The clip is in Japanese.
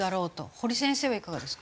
堀先生はいかがですか？